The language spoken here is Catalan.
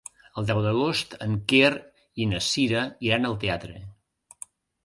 El deu d'agost en Quer i na Cira iran al teatre.